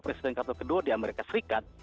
presiden kartu kedua di amerika serikat